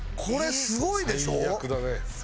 これすごいでしょ？